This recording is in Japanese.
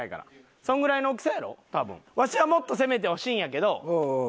わしはもっと攻めてほしいんやけど。